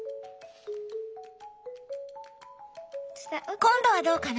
今度はどうかな？